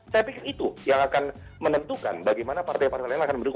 saya pikir itu yang akan menentukan bagaimana partai partai lain akan mendukung